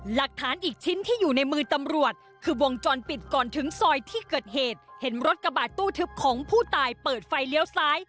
หลักฐานอีกชิ้นที่อยู่ในมือตำรวจคือวงจรปิดก่อนถึงซอยที่เกิดเหตุเห็นรถกระบาดตู้ทึบของผู้ตายเปิดไฟเลี้ยวซ้าย